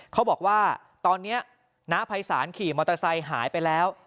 เขาบอกว่าตอนนี้น้าภัยศาลขี่มอเตอร์ไซค์หายไปแล้ว